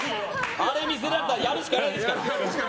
あれ見せられたらやるしかないですから。